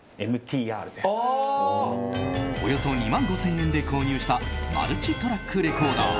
およそ２万５０００円で購入したマルチトラックレコーダー。